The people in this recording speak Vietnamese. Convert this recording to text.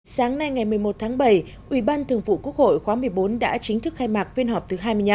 sáng nay ngày một mươi một tháng bảy ủy ban thường vụ quốc hội khóa một mươi bốn đã chính thức khai mạc phiên họp thứ hai mươi năm